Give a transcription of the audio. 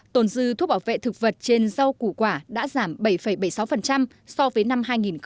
tồn dư thuốc bảo vệ thực vật trên rau củ quả đã giảm bảy bảy mươi sáu so với năm hai nghìn một mươi tám